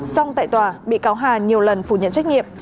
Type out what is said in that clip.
xong tại tòa bị cáo hà nhiều lần phủ nhận trách nhiệm